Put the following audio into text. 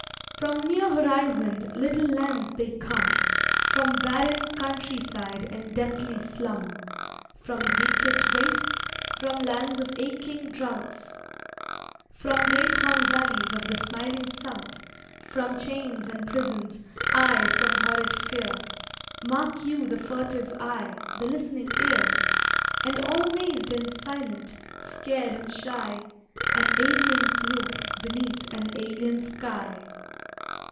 From near horizoned, little lands they come, From barren country side and deathly slum, From bleakest wastes, from lands of aching drouth, From grape hung valleys of the smiling South, From chains and prisons, ay, from horrid fear, (Mark you the furtive eye, the listening ear!) And all amazed and silent, scared and shy An alien group beneath an alien sky!